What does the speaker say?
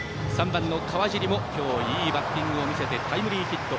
３番、川尻も今日、いいバッティングを見せてタイムリーヒット。